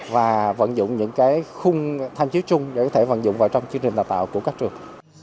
và vận dụng những khung thanh chiếu chung để vận dụng vào trong chương trình đào tạo của các trường